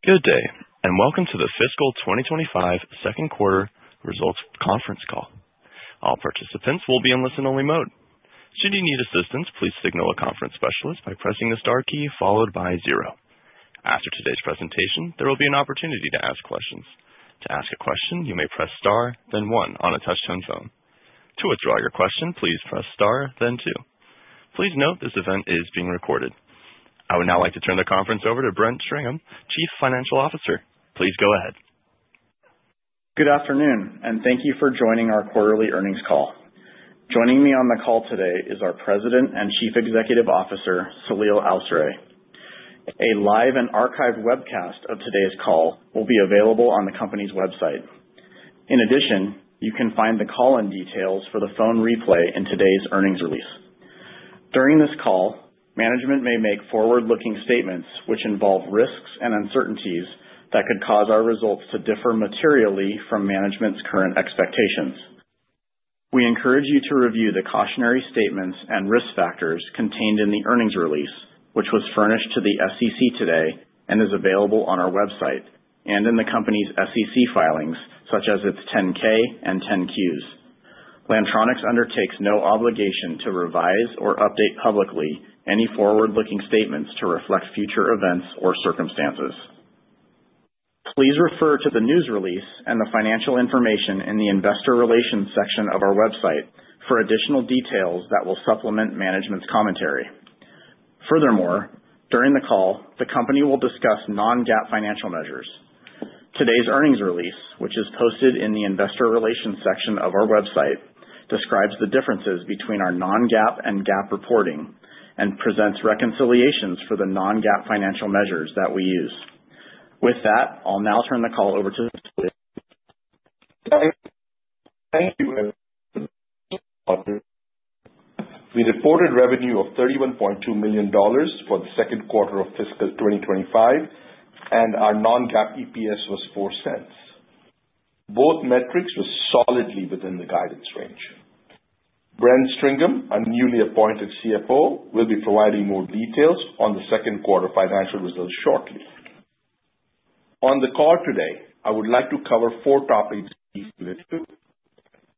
Good day, and welcome to the Fiscal 2025 Second Quarter Results Conference Call. All participants will be in listen-only mode. Should you need assistance, please signal a conference specialist by pressing the star key followed by zero. After today's presentation, there will be an opportunity to ask questions. To ask a question, you may press star, then one on a touch-tone phone. To withdraw your question, please press star, then two. Please note this event is being recorded. I would now like to turn the conference over to Brent Stringham, Chief Financial Officer. Please go ahead. Good afternoon, and thank you for joining our Quarterly Earnings Call. Joining me on the call today is our President and Chief Executive Officer, Saleel Awsare. A live and archived webcast of today's call will be available on the company's website. In addition, you can find the call-in details for the phone replay in today's earnings release. During this call, management may make forward-looking statements which involve risks and uncertainties that could cause our results to differ materially from management's current expectations. We encourage you to review the cautionary statements and risk factors contained in the earnings release, which was furnished to the SEC today and is available on our website and in the company's SEC filings, such as its 10-K and 10-Qs. Lantronix undertakes no obligation to revise or update publicly any forward-looking statements to reflect future events or circumstances. Please refer to the news release and the financial information in the Investor Relations section of our website for additional details that will supplement management's commentary. Furthermore, during the call, the company will discuss non-GAAP financial measures. Today's earnings release, which is posted in the Investor Relations section of our website, describes the differences between our non-GAAP and GAAP reporting and presents reconciliations for the non-GAAP financial measures that we use. With that, I'll now turn the call over to. Thank you, everyone. We reported revenue of $31.2 million for the second quarter of fiscal 2025, and our non-GAAP EPS was $0.04. Both metrics were solidly within the guidance range. Brent Stringham, our newly appointed CFO, will be providing more details on the second quarter financial results shortly. On the call today, I would like to cover four topics briefly: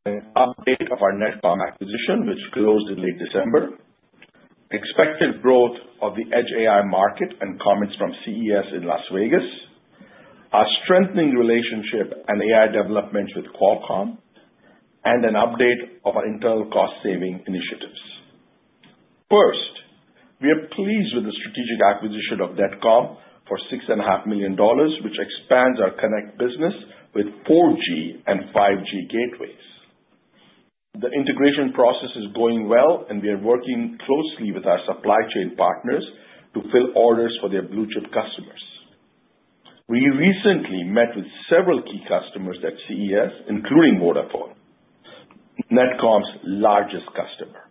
an update of our NetComm acquisition, which closed in late December; expected growth of the edge AI market and comments from CES in Las Vegas; our strengthening relationship and AI development with Qualcomm; and an update of our internal cost-saving initiatives. First, we are pleased with the strategic acquisition of NetComm for $6.5 million, which expands our Connect business with 4G and 5G gateways. The integration process is going well, and we are working closely with our supply chain partners to fill orders for their blue-chip customers. We recently met with several key customers at CES, including Vodafone, NetComm's largest customer.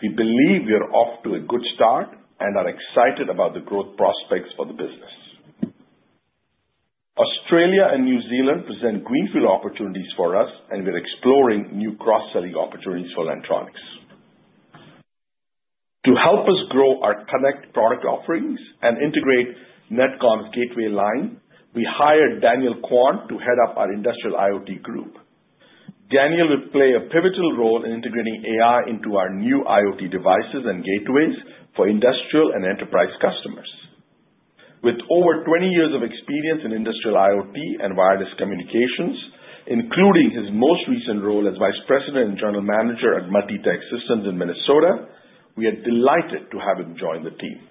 We believe we are off to a good start and are excited about the growth prospects for the business. Australia and New Zealand present greenfield opportunities for us, and we are exploring new cross-selling opportunities for Lantronix. To help us grow our Connect product offerings and integrate NetComm's gateway line, we hired Daniel Quant to head up our industrial IoT group. Daniel will play a pivotal role in integrating AI into our new IoT devices and gateways for industrial and enterprise customers. With over 20 years of experience in industrial IoT and wireless communications, including his most recent role as Vice President and General Manager at MultiTech Systems in Minnesota, we are delighted to have him join the team.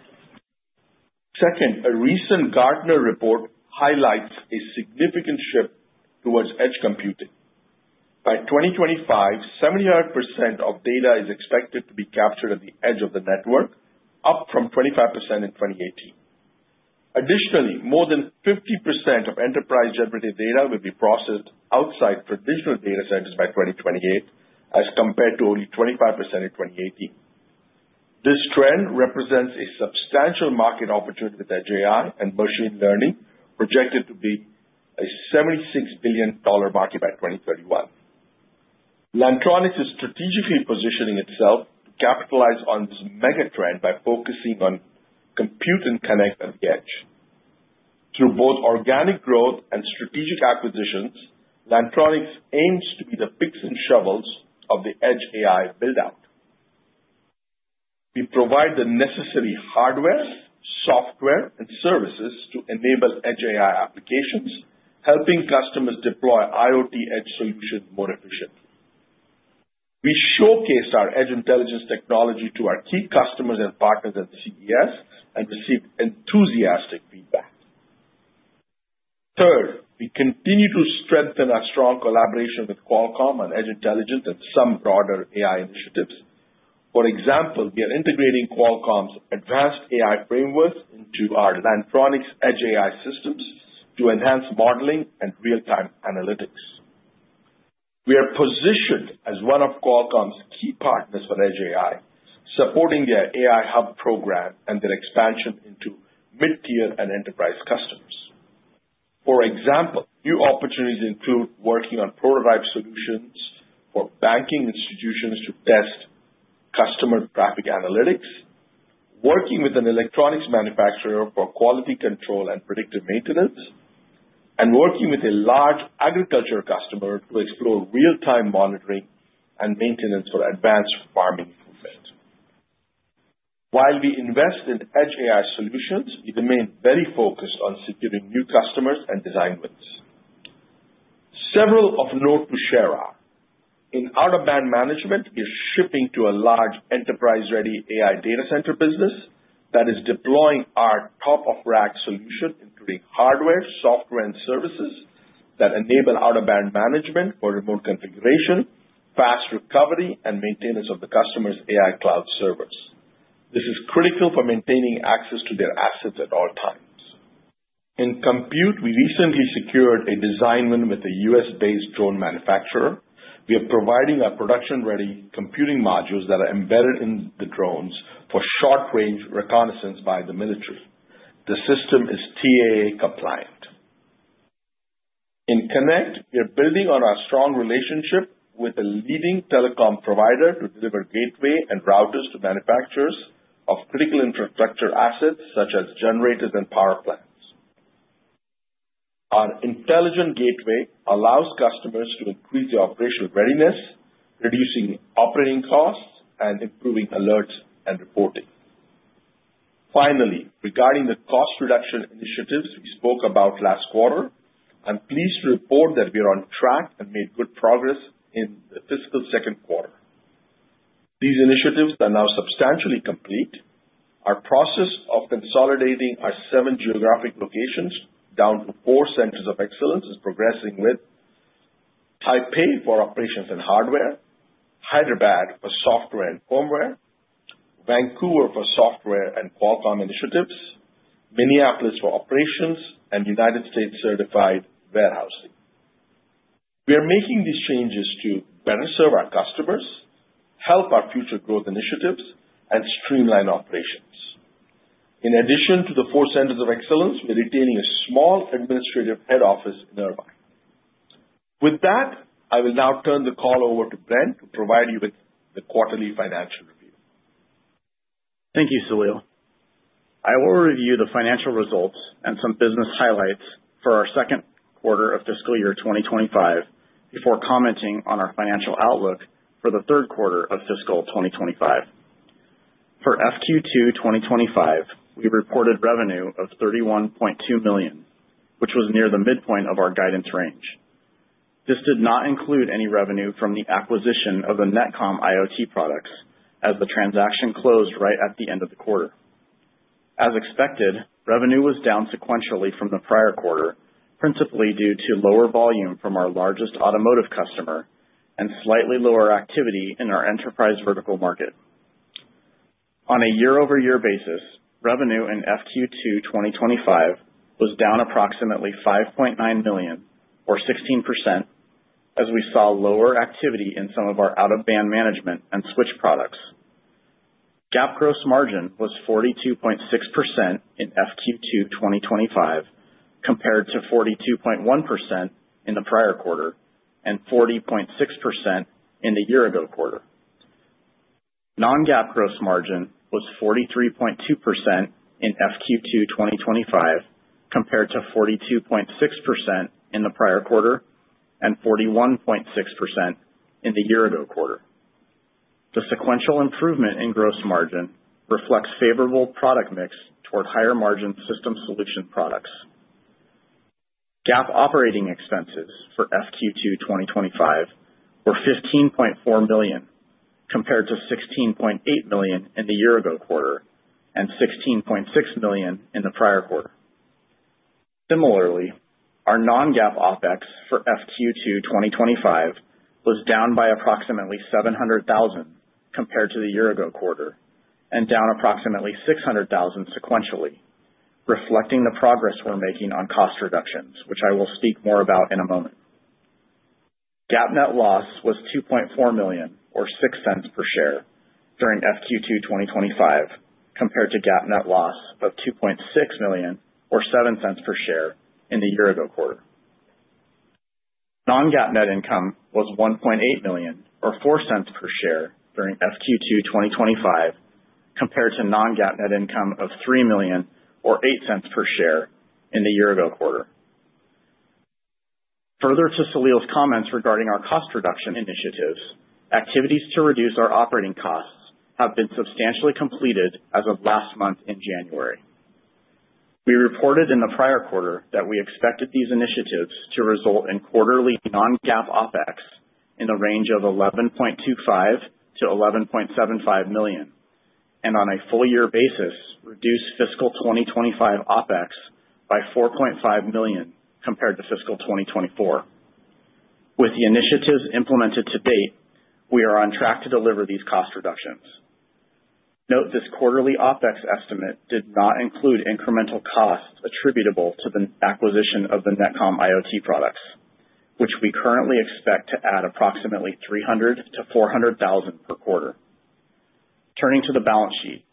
Second, a recent Gartner report highlights a significant shift towards edge computing. By 2025, 75% of data is expected to be captured at the edge of the network, up from 25% in 2018. Additionally, more than 50% of enterprise-generated data will be processed outside traditional data centers by 2028, as compared to only 25% in 2018. This trend represents a substantial market opportunity with edge AI and machine learning, projected to be a $76 billion market by 2031. Lantronix is strategically positioning itself to capitalize on this Megatrend by focusing on Compute and Connect at the edge. Through both organic growth and strategic acquisitions, Lantronix aims to be the picks and shovels of the edge AI buildout. We provide the necessary hardware, software, and services to enable edge AI applications, helping customers deploy IoT edge solutions more efficiently. We showcased our edge intelligence technology to our key customers and partners at CES and received enthusiastic feedback. Third, we continue to strengthen our strong collaboration with Qualcomm on edge intelligence and some broader AI initiatives. For example, we are integrating Qualcomm's advanced AI frameworks into our Lantronix edge AI systems to enhance modeling and real-time analytics. We are positioned as one of Qualcomm's key partners for edge AI, supporting their AI Hub program and their expansion into mid-tier and enterprise customers. For example, new opportunities include working on prototype solutions for banking institutions to test customer traffic analytics, working with an electronics manufacturer for quality control and predictive maintenance, and working with a large agriculture customer to explore real-time monitoring and maintenance for advanced farming equipment. While we invest in edge AI solutions, we remain very focused on securing new customers and design wins. Several of note to share are: in Out-of-Band Management, we are shipping to a large enterprise-ready AI data center business that is deploying our top-of-rack solution, including hardware, software, and services that enable Out-of-Band Management for remote configuration, fast recovery, and maintenance of the customer's AI cloud servers. This is critical for maintaining access to their assets at all times. In Compute, we recently secured a design win with a U.S.-based drone manufacturer. We are providing our production-ready computing modules that are embedded in the drones for short-range reconnaissance by the military. The system is TAA compliant. In Connect, we are building on our strong relationship with a leading telecom provider to deliver gateway and Routers to manufacturers of critical infrastructure assets such as generators and power plants. Our intelligent gateway allows customers to increase their operational readiness, reducing operating costs and improving alerts and reporting. Finally, regarding the cost reduction initiatives we spoke about last quarter, I'm pleased to report that we are on track and made good progress in the fiscal second quarter. These initiatives are now substantially complete. Our process of consolidating our seven geographic locations down to four Centers of Excellence is progressing with Taipei for operations and hardware, Hyderabad for software and firmware, Vancouver for software and Qualcomm initiatives, Minneapolis for operations, and United States-certified warehousing. We are making these changes to better serve our customers, help our future growth initiatives, and streamline operations. In addition to the four Centers of Excellence, we're retaining a small administrative head office nearby. With that, I will now turn the call over to Brent to provide you with the quarterly financial review. Thank you, Saleel. I will review the financial results and some business highlights for our second quarter of fiscal year 2025 before commenting on our financial outlook for the third quarter of fiscal 2025. For FQ2 2025, we reported revenue of $31.2 million, which was near the midpoint of our guidance range. This did not include any revenue from the acquisition of the NetComm IoT products, as the transaction closed right at the end of the quarter. As expected, revenue was down sequentially from the prior quarter, principally due to lower volume from our largest automotive customer and slightly lower activity in our enterprise vertical market. On a year-over-year basis, revenue in FQ2 2025 was down approximately $5.9 million, or 16%, as we saw lower activity in some of our Out-of-Band Management and switch products. GAAP gross margin was 42.6% in FQ2 2025, compared to 42.1% in the prior quarter and 40.6% in the year-ago quarter. Non-GAAP gross margin was 43.2% in FQ2 2025, compared to 42.6% in the prior quarter and 41.6% in the year-ago quarter. The sequential improvement in gross margin reflects favorable product mix toward higher-margin system solution products. GAAP operating expenses for FQ2 2025 were $15.4 million, compared to $16.8 million in the year-ago quarter and $16.6 million in the prior quarter. Similarly, our non-GAAP OPEX for FQ2 2025 was down by approximately $700,000 compared to the year-ago quarter and down approximately $600,000 sequentially, reflecting the progress we're making on cost reductions, which I will speak more about in a moment. GAAP net loss was $2.4 million, or $0.06 per share, during FQ2 2025, compared to GAAP net loss of $2.6 million, or $0.07 per share, in the year-ago quarter. Non-GAAP net income was $1.8 million, or $0.04 per share, during FQ2 2025, compared to non-GAAP net income of $3 million, or $0.08 per share, in the year-ago quarter. Further to Saleel's comments regarding our cost reduction initiatives, activities to reduce our operating costs have been substantially completed as of last month in January. We reported in the prior quarter that we expected these initiatives to result in quarterly non-GAAP OPEX in the range of $11.25-$11.75 million and, on a full-year basis, reduce fiscal 2025 OPEX by $4.5 million compared to fiscal 2024. With the initiatives implemented to date, we are on track to deliver these cost reductions. Note this quarterly OPEX estimate did not include incremental costs attributable to the acquisition of the NetComm IoT products, which we currently expect to add approximately $300,000-$400,000 per quarter. Turning to the balance sheet,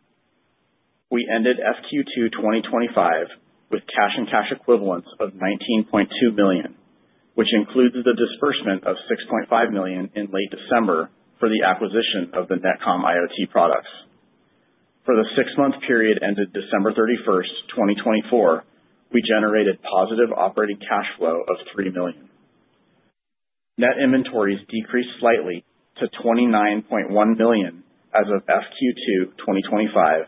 we ended FQ2 2025 with cash and cash equivalents of $19.2 million, which includes the disbursement of $6.5 million in late December for the acquisition of the NetComm IoT products. For the six-month period ended December 31, 2024, we generated positive operating cash flow of $3 million. Net inventories decreased slightly to $29.1 million as of FQ2 2025,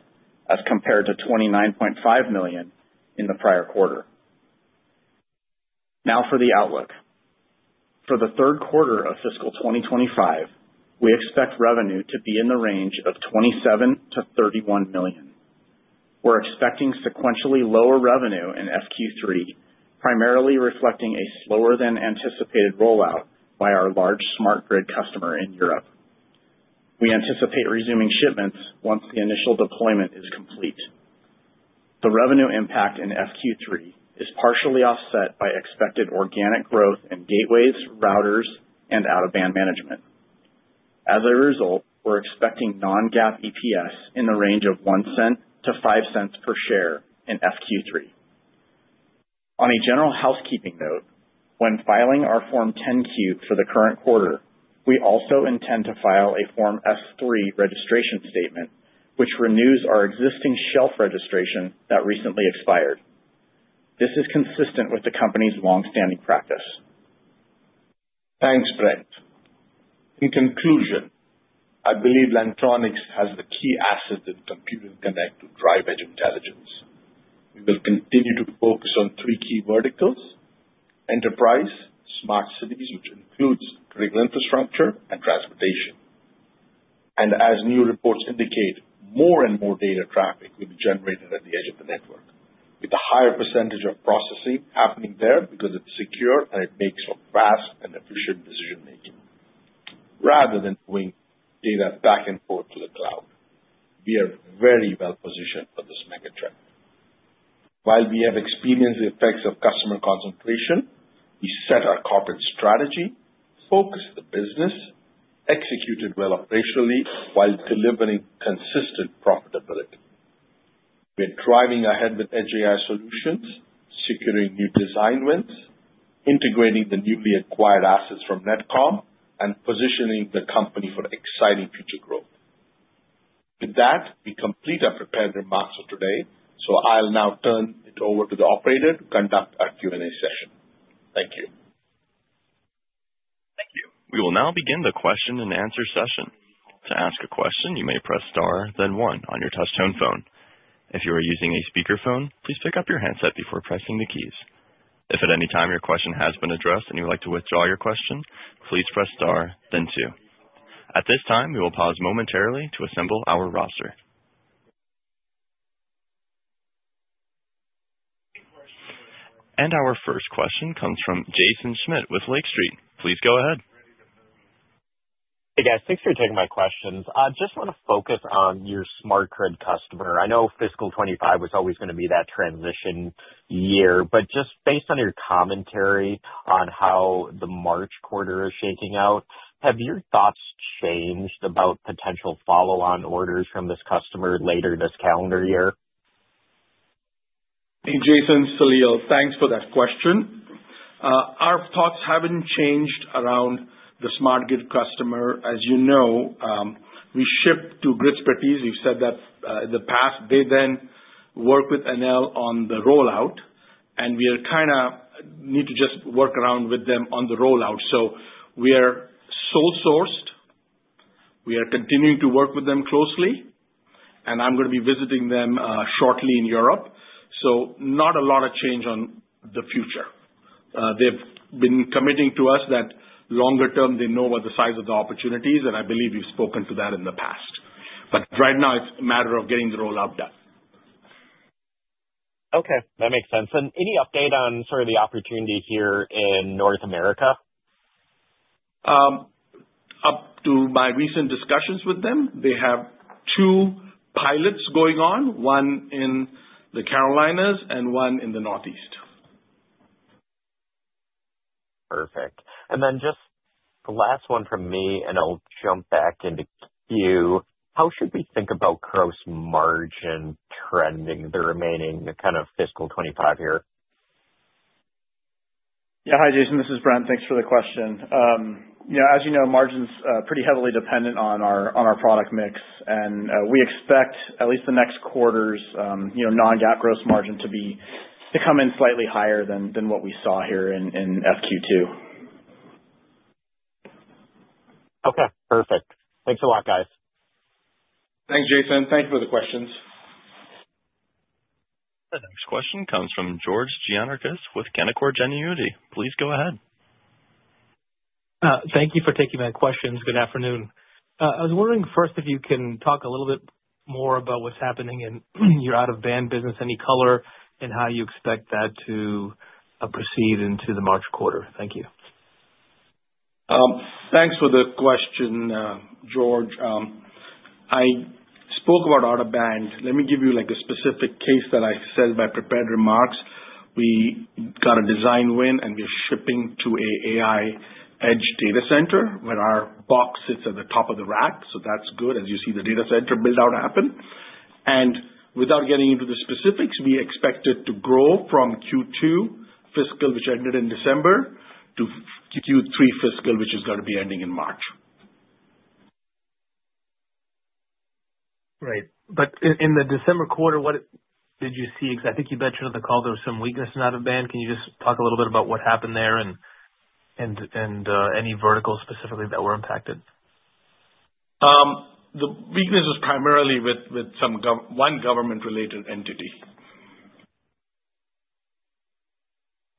as compared to $29.5 million in the prior quarter. Now for the outlook. For the third quarter of fiscal 2025, we expect revenue to be in the range of $27-$31 million. We're expecting sequentially lower revenue in FQ3, primarily reflecting a slower-than-anticipated rollout by our large smart grid customer in Europe. We anticipate resuming shipments once the initial deployment is complete. The revenue impact in FQ3 is partially offset by expected organic growth in Gateways, Routers, and Out-of-Band Management. As a result, we're expecting non-GAAP EPS in the range of $0.01-$0.05 per share in FQ3. On a general housekeeping note, when filing our Form 10-Q for the current quarter, we also intend to file a Form S-3 registration statement, which renews our existing shelf registration that recently expired. This is consistent with the company's longstanding practice. Thanks, Brent. In conclusion, I believe Lantronix has the key asset that Compute and Connect to drive edge intelligence. We will continue to focus on three key verticals: enterprise, smart cities, which includes critical infrastructure and transportation. As new reports indicate, more and more data traffic will be generated at the edge of the network, with a higher percentage of processing happening there because it's secure and it makes for fast and efficient decision-making, rather than moving data back and forth to the cloud. We are very well-positioned for this mega trend. While we have experienced the effects of customer concentration, we set our corporate strategy, focused the business, executed well operationally while delivering consistent profitability. We are driving ahead with edge AI solutions, securing new design wins, integrating the newly acquired assets from NetComm, and positioning the company for exciting future growth. With that, we complete our prepared remarks for today, so I'll now turn it over to the operator to conduct our Q&A session. Thank you. Thank you. We will now begin the question-and-answer session. To ask a question, you may press star, then one, on your touch-tone phone. If you are using a speakerphone, please pick up your handset before pressing the keys. If at any time your question has been addressed and you'd like to withdraw your question, please press star, then two. At this time, we will pause momentarily to assemble our roster. Our first question comes from Jaeson Schmidt with Lake Street. Please go ahead. Hey, guys. Thanks for taking my questions. I just want to focus on your smart grid customer. I know fiscal 2025 was always going to be that transition year, but just based on your commentary on how the March quarter is shaking out, have your thoughts changed about potential follow-on orders from this customer later this calendar year? Hey, Jaeson, Saleel, thanks for that question. Our thoughts haven't changed around the smart grid customer. As you know, we ship to Grid4C. We've said that in the past. They then work with Enel on the rollout, and we kind of need to just work around with them on the rollout. We are sole-sourced. We are continuing to work with them closely, and I'm going to be visiting them shortly in Europe. Not a lot of change on the future. They've been committing to us that longer-term, they know what the size of the opportunities is, and I believe we've spoken to that in the past. Right now, it's a matter of getting the rollout done. Okay. That makes sense. Any update on sort of the opportunity here in North America? Up to my recent discussions with them, they have two pilots going on, one in the Carolinas and one in the Northeast. Perfect. Just the last one from me, and I'll jump back into Q. How should we think about gross margin trending the remaining kind of fiscal 2025 year? Yeah. Hi, Jaeson. This is Brent. Thanks for the question. As you know, margin's pretty heavily dependent on our product mix, and we expect at least the next quarter's non-GAAP gross margin to come in slightly higher than what we saw here in FQ2. Okay. Perfect. Thanks a lot, guys. Thanks, Jaeson. Thank you for the questions. The next question comes from George Gianarikas with Canaccord Genuity. Please go ahead. Thank you for taking my questions. Good afternoon. I was wondering first if you can talk a little bit more about what's happening in your Out-of-Band business, any color, and how you expect that to proceed into the March quarter. Thank you. Thanks for the question, George. I spoke about Out-of-Band. Let me give you a specific case that I said in my prepared remarks. We got a design win, and we're shipping to an AI edge data center where our box sits at the top of the rack. That is good, as you see the data center build-out happen. Without getting into the specifics, we expect it to grow from Q2 fiscal, which ended in December, to Q3 fiscal, which is going to be ending in March. Right. In the December quarter, what did you see? I think you mentioned at the call there was some weakness in Out-of-Band. Can you just talk a little bit about what happened there and any verticals specifically that were impacted? The weakness was primarily with one government-related entity.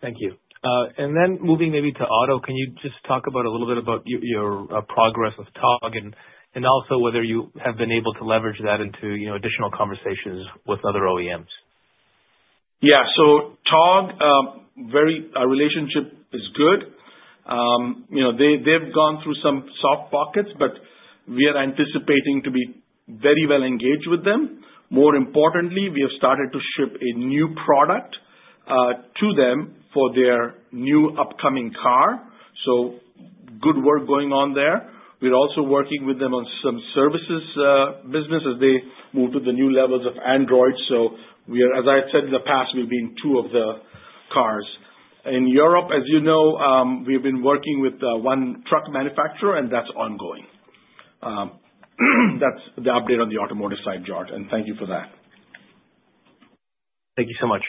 Thank you. Moving maybe to auto, can you just talk a little bit about your progress with Togg and also whether you have been able to leverage that into additional conversations with other OEMs? Yeah. Togg, our relationship is good. They've gone through some soft pockets, but we are anticipating to be very well-engaged with them. More importantly, we have started to ship a new product to them for their new upcoming car. Good work going on there. We're also working with them on some services business as they move to the new levels of Android. As I had said in the past, we've been two of the cars. In Europe, as you know, we've been working with one truck manufacturer, and that's ongoing. That's the update on the automotive side, George. Thank you for that. Thank you so much.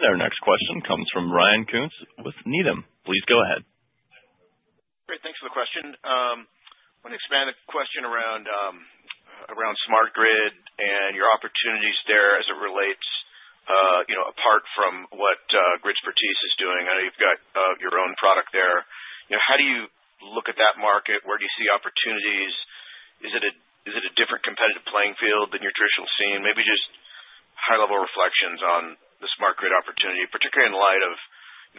Our next question comes from Ryan Koontz with Needham. Please go ahead. Great. Thanks for the question. I want to expand the question around smart grid and your opportunities there as it relates, apart from what Grid4C is doing. I know you've got your own product there. How do you look at that market? Where do you see opportunities? Is it a different competitive playing field than your traditional scene? Maybe just high-level reflections on the smart grid opportunity, particularly in light of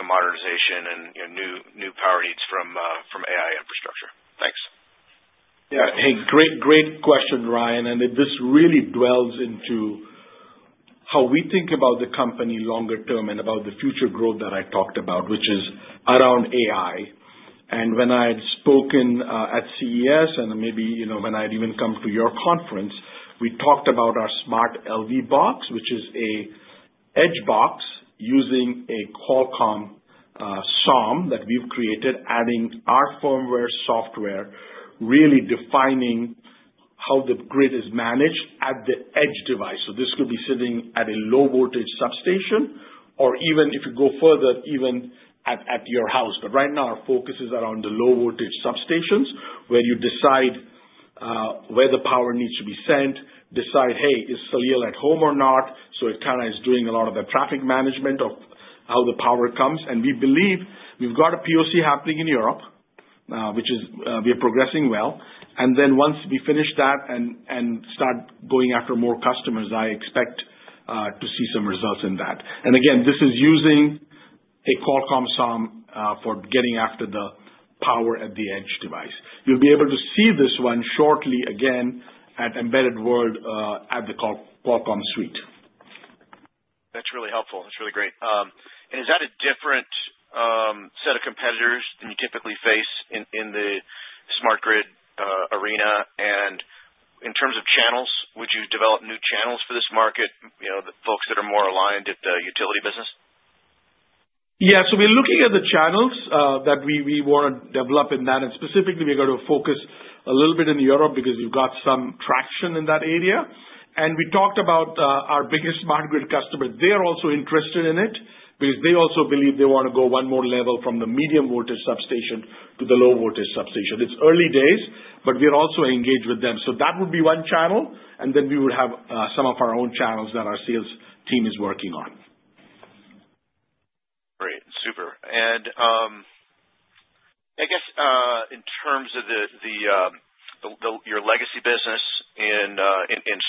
modernization and new power needs from AI infrastructure. Thanks. Yeah. Hey, great question, Ryan. This really dwells into how we think about the company longer term and about the future growth that I talked about, which is around AI. When I had spoken at CES and maybe when I had even come to your conference, we talked about our SmartLV box, which is an edge box using a Qualcomm SOM that we've created, adding our firmware software, really defining how the grid is managed at the edge device. This could be sitting at a low-voltage substation or even, if you go further, even at your house. Right now, our focus is around the low-voltage substations where you decide where the power needs to be sent, decide, "Hey, is Saleel at home or not?" It kind of is doing a lot of the traffic management of how the power comes. We believe we've got a POC happening in Europe, which we are progressing well. Once we finish that and start going after more customers, I expect to see some results in that. Again, this is using a Qualcomm SOM for getting after the power at the edge device. You'll be able to see this one shortly again at Embedded World at the Qualcomm Suite. That's really helpful. That's really great. Is that a different set of competitors than you typically face in the smart grid arena? In terms of channels, would you develop new channels for this market, folks that are more aligned at the utility business? Yeah. We are looking at the channels that we want to develop in that. Specifically, we are going to focus a little bit in Europe because we have got some traction in that area. We talked about our biggest smart grid customer. They are also interested in it because they also believe they want to go one more level from the medium-voltage substation to the low-voltage substation. It is early days, but we are also engaged with them. That would be one channel. Then we would have some of our own channels that our sales team is working on. Great. Super. I guess in terms of your legacy business in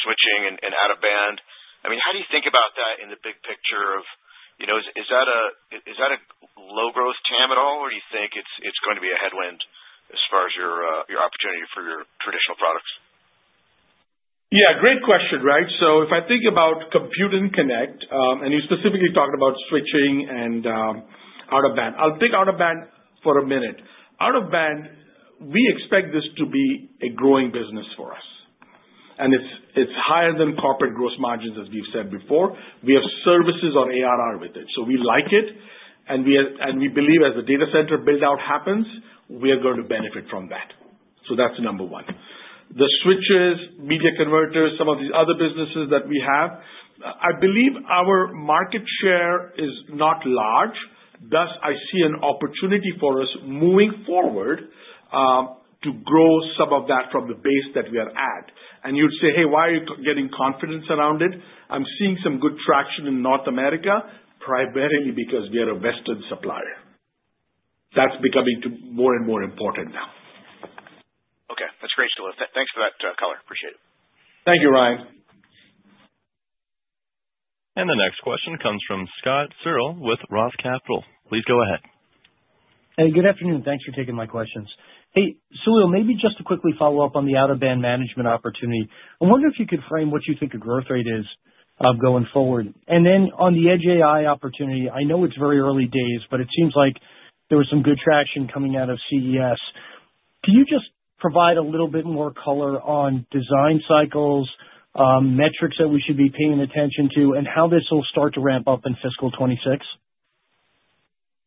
switching andOut-of-Band I mean, how do you think about that in the big picture of is that a low-growth TAM at all, or do you think it's going to be a headwind as far as your opportunity for your traditional products? Yeah. Great question, right? If I think about Computing Connect, and you specifically talked about switching and Out-of-Band I'll pick Out-of-Band for a minute. Out-of-Band we expect this to be a growing business for us. It is higher than corporate gross margins, as we've said before. We have services on ARR with it. We like it. We believe as the data center build-out happens, we are going to benefit from that. That's number one. The switches, media converters, some of these other businesses that we have, I believe our market share is not large. Thus, I see an opportunity for us moving forward to grow some of that from the base that we are at. You'd say, "Hey, why are you getting confidence around it?" I'm seeing some good traction in North America, primarily because we are a Western supplier. That's becoming more and more important now. Okay. That's great to know. Thanks for that color. Appreciate it. Thank you, Ryan. The next question comes from Scott Searle with Roth Capital. Please go ahead. Hey, good afternoon. Thanks for taking my questions. Hey, Saleel, maybe just to quickly follow up on the Out-of-Band Management opportunity, I wonder if you could frame what you think a growth rate is going forward. On the edge AI opportunity, I know it's very early days, but it seems like there was some good traction coming out of CES. Can you just provide a little bit more color on design cycles, metrics that we should be paying attention to, and how this will start to ramp up in fiscal 2026?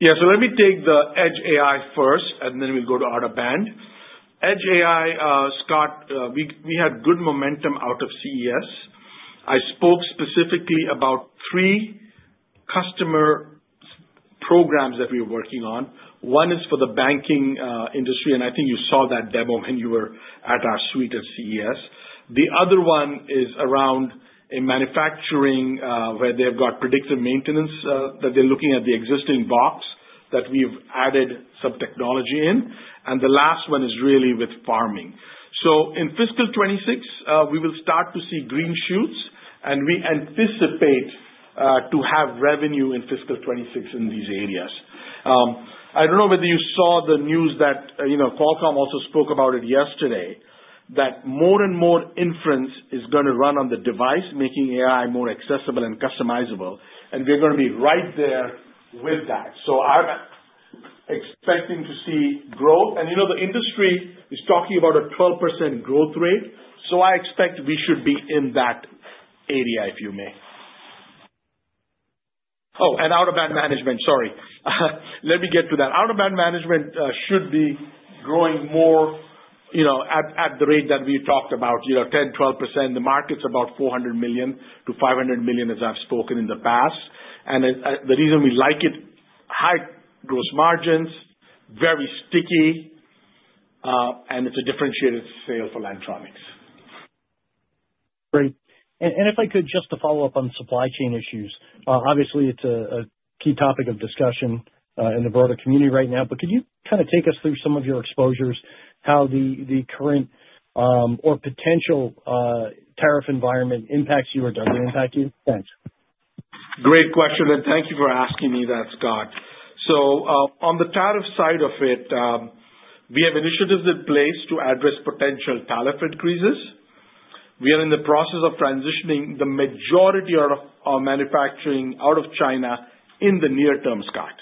Yeah. Let me take the edge AI first, and then we'll go to Out-of-Band. Edge AI, Scott, we had good momentum out of CES. I spoke specifically about three customer programs that we were working on. One is for the banking industry, and I think you saw that demo when you were at our suite at CES. The other one is around manufacturing where they've got predictive maintenance that they're looking at the existing box that we've added some technology in. The last one is really with farming. In fiscal 2026, we will start to see green shoots, and we anticipate to have revenue in fiscal 2026 in these areas. I don't know whether you saw the news that Qualcomm also spoke about it yesterday, that more and more inference is going to run on the device, making AI more accessible and customizable, and we're going to be right there with that. I'm expecting to see growth. The industry is talking about a 12% growth rate. I expect we should be in that area, if you may. Oh, and Out-of-Band Management, sorry. Let me get to that. Out-of-band management should be growing more at the rate that we talked about, 10%-12%. The market's about $400 million-$500 million, as I've spoken in the past. The reason we like it, high gross margins, very sticky, and it's a differentiated sale for Lantronix. Great. If I could, just to follow up on supply chain issues, obviously, it's a key topic of discussion in the broader community right now. Could you kind of take us through some of your exposures, how the current or potential tariff environment impacts you or doesn't impact you? Thanks. Great question. Thank you for asking me that, Scott. On the tariff side of it, we have initiatives in place to address potential tariff increases. We are in the process of transitioning the majority of our manufacturing out of China in the near term, Scott.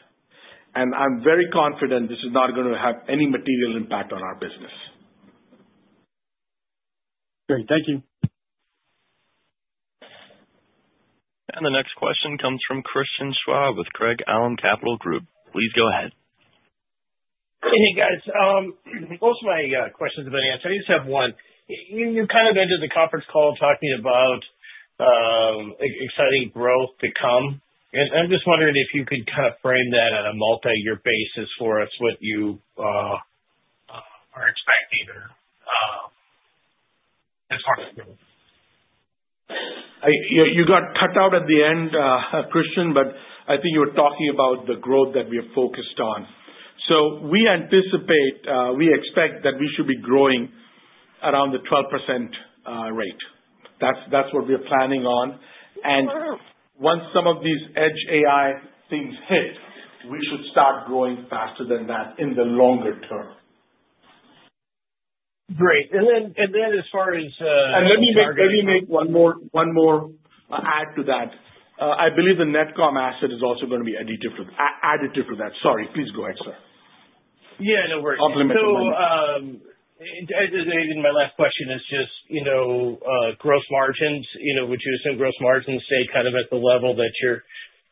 I am very confident this is not going to have any material impact on our business. Great. Thank you. The next question comes from Christian Schwab with Craig-Hallum Capital Group. Please go ahead. Hey, guys. Most of my questions have been answered. I just have one. You kind of ended the conference call talking about exciting growth to come. I am just wondering if you could kind of frame that on a multi-year basis for us, what you are expecting as far as growth. You got cut out at the end, Christian, but I think you were talking about the growth that we are focused on. We anticipate, we expect that we should be growing around the 12% rate. That is what we are planning on. Once some of these edge AI things hit, we should start growing faster than that in the longer term. Great. As far as. Let me make one more add to that. I believe the NetComm asset is also going to be additive to that. Sorry. Please go ahead, sir. Yeah, no worries. As I said in my last question, it's just gross margins. Would you assume gross margins stay kind of at the level that you're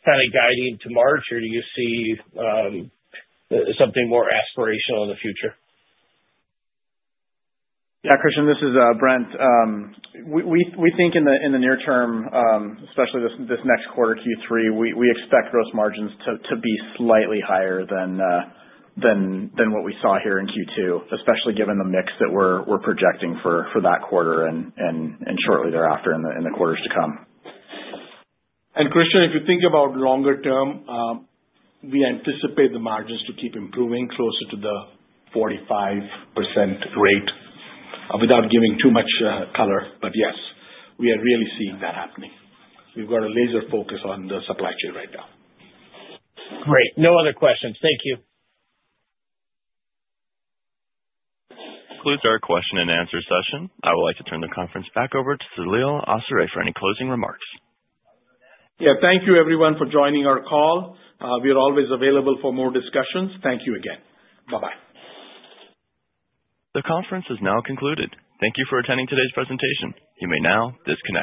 kind of guiding to March, or do you see something more aspirational in the future? Yeah, Christian, this is Brent. We think in the near term, especially this next quarter, Q3, we expect gross margins to be slightly higher than what we saw here in Q2, especially given the mix that we're projecting for that quarter and shortly thereafter in the quarters to come. Christian, if you think about longer term, we anticipate the margins to keep improving closer to the 45% rate without giving too much color. Yes, we are really seeing that happening. We've got a laser focus on the supply chain right now. Great. No other questions. Thank you. Concludes our question and answer session. I would like to turn the conference back over to Saleel Awsare for any closing remarks. Yeah. Thank you, everyone, for joining our call. We are always available for more discussions. Thank you again. Bye-bye. The conference is now concluded. Thank you for attending today's presentation. You may now disconnect.